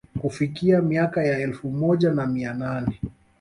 Kufikia miaka ya elfu moja na mia nane